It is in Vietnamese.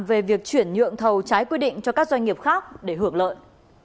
về việc chuyển nhượng thầu trái quy định cho các doanh nghiệp khác để hưởng lợi